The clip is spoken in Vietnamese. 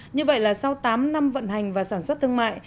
như vậy là sau tám năm vận hành và sản xuất thương mại